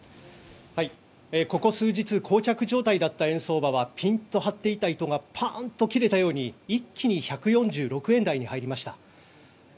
ここ数日こう着状態だった円相場はピンと張っていた糸がパンと切れたように一気に１４６円台に入りました。